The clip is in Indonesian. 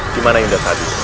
dimana yunda tadi